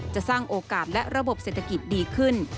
จะสร้างโอกาสและระบบเศรษฐกิจดีขึ้น